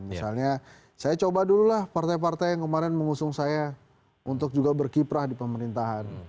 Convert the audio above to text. misalnya saya coba dululah partai partai yang kemarin mengusung saya untuk juga berkiprah di pemerintahan